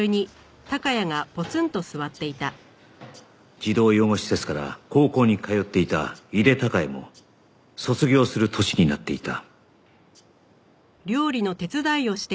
児童養護施設から高校に通っていた井手孝也も卒業する年になっていた